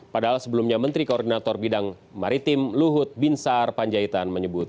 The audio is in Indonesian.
padahal sebelumnya menteri koordinator bidang maritim luhut binsar panjaitan menyebut